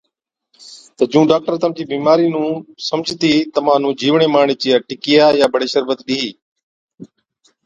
تہ جُون ڊاڪٽر تمچِي بِيمارِي نُون سمجھتِي تمهان نُون جِيوڙين مارڻي چِيا ٽِڪِيا يان بڙي شربت ڏِيهِي۔